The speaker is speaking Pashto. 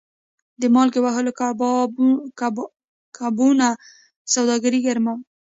د مالګې وهلو کبانو سوداګري ګرمه وه.